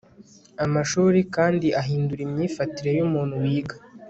amashuri kandi ahindura imyifatire yu muntu wiga